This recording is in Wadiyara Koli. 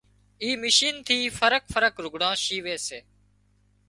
اي مشين ٿي فرق فرق لگھڙان شيوي سي